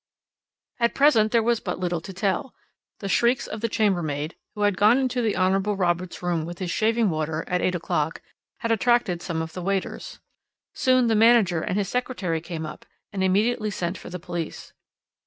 "At present there was but little to tell. The shrieks of the chambermaid, who had gone into the Hon. Robert's room with his shaving water at eight o'clock, had attracted some of the waiters. Soon the manager and his secretary came up, and immediately sent for the police.